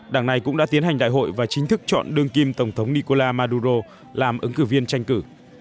đảng này cũng đã tiến hành đại hội và chính thức chọn đương kim tổng thống nicola maduro làm ứng cử viên tranh cử